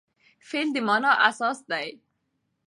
فعل د مانا اساس دئ.